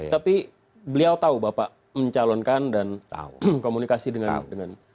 tapi beliau tahu bapak mencalonkan dan tahu komunikasi dengan